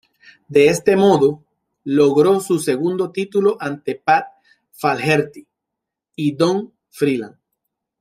De este modo, logró su segundo título ante Pat Flaherty y Don Freeland.